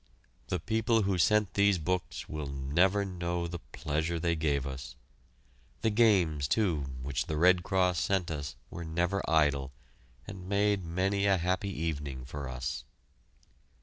The people who sent these books will never know the pleasure they gave us! The games, too, which the Red Cross sent us were never idle, and made many a happy evening for us.